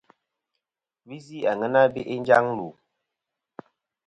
Visi àŋena be'i njaŋ lù.